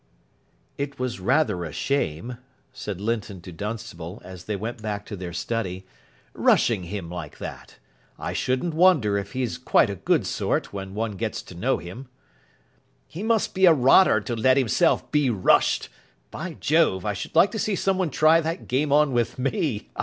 "It was rather a shame," said Linton to Dunstable, as they went back to their study, "rushing him like that. I shouldn't wonder if he's quite a good sort, when one gets to know him." "He must be a rotter to let himself be rushed. By Jove, I should like to see someone try that game on with me."